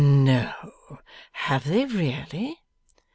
'No! Have they really?